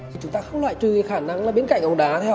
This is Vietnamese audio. chúng ta không loại trừ khả năng là bên cạnh bóng đá